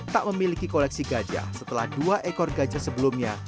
tak memiliki koleksi gajah setelah dua ekor gajah sebelumnya